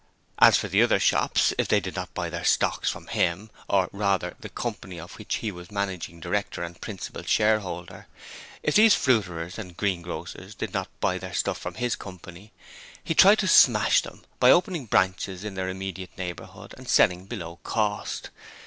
As for the other shops, if they did not buy their stocks from him or, rather, the company of which he was managing director and principal shareholder if these other fruiterers and greengrocers did not buy their stuff from his company, he tried to smash them by opening branches in their immediate neighbourhood and selling below cost.